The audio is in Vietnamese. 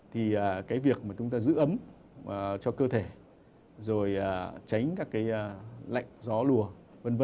thì cái việc mà chúng ta giữ ấm cho cơ thể rồi tránh các cái lạnh gió lùa v v